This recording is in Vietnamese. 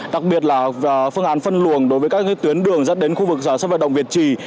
đặc biệt là phương án phân luồng đối với các tuyến đường dẫn đến khu vực sân vận động việt trì